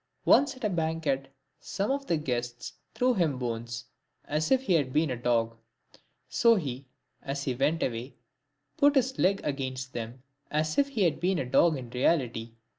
Once at a banquet, some of the guests threw him bones, as if he had been a dog ; so he, as he went away, put up his leg against them as if he had been a dog in reality.